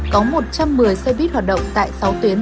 có một trăm một mươi xe buýt hoạt động tại sáu tuyến